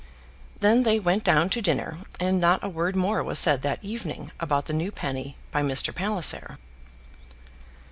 Then they went down to dinner, and not a word more was said that evening about the new penny by Mr. Palliser.